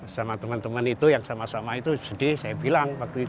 sama teman teman itu yang sama sama itu sedih saya bilang waktu itu